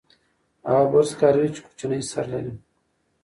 هغه برس کاروي چې کوچنی سر لري.